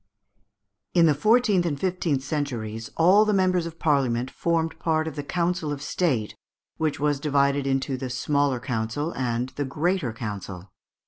] In the fourteenth and fifteenth centuries all the members of Parliament formed part of the council of State, which was divided into the Smaller Council and the Greater Council.